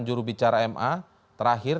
juru bicara ma terakhir